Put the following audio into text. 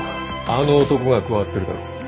あの男が加わってるだろ。